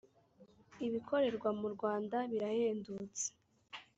ibikorerwa mu rwanda birahendutse